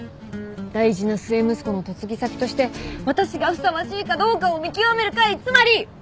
大事な末息子の嫁ぎ先として私がふさわしいかどうかを見極める会つまり！